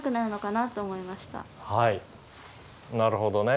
なるほどね。